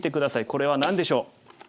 これは何でしょう？